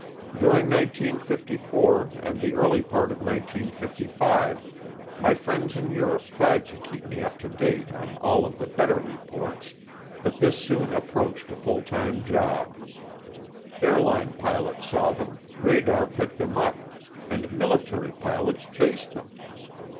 During 1954 and the early part of 1955 my friends in Europe tried to keep me up to date on all of the better reports, but this soon approached a full time job. Airline pilots saw them, radar picked them up, and military pilots chased them.